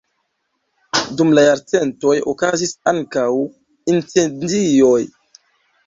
Dum la jarcentoj okazis ankaŭ incendioj.